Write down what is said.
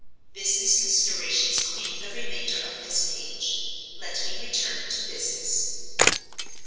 Business considerations claim the remainder of this page. Let me return to business.